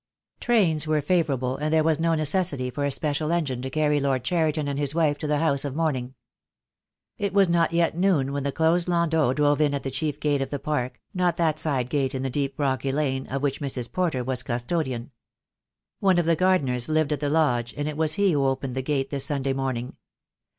Trains were favourable, and there was no necessity for a special engine to carry Lord Cheriton and his wife to the house of mourning. It was not yet noon when the closed landau drove in at the chief gate of the park, not that side gate in the deep, rocky lane, of which Mrs. Porter was custodian. One of the gardeners lived at the lodge, and it was he who opened the gate this Sunday morning.